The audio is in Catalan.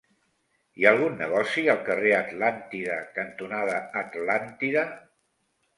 Hi ha algun negoci al carrer Atlàntida cantonada Atlàntida?